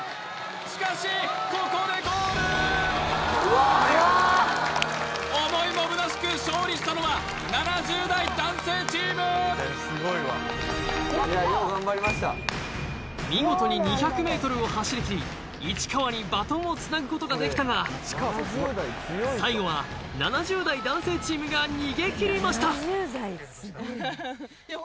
しかしここでゴール思いもむなしく勝利したのは７０代男性チーム見事に２００ｍを走りきり市川にバトンをつなぐことができたが最後は７０代男性チームが逃げきりましたいや